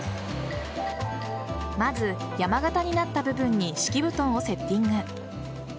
まず、山形になった部分に敷布団をセッティング。